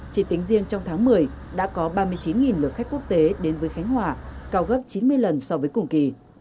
chỉ tính riêng trong tháng một mươi đã có ba mươi chín lượt khách quốc tế đến với khánh hòa cao gấp chín mươi lần so với cùng kỳ